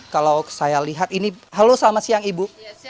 kalau saya lihat ini halo selamat siang ibu